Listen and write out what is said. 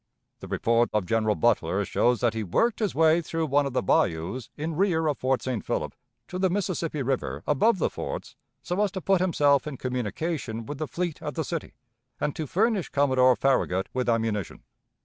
The report of General Butler shows that he worked his way through one of the bayous in rear of Fort St. Philip to the Mississippi River above the forts so as to put himself in communication with the fleet at the city, and to furnish Commodore Farragut with ammunition.